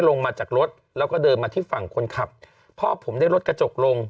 ลงมาจากรถแล้วก็เดินมาที่ฝั่งคนขับพ่อผมได้รถกระจกลง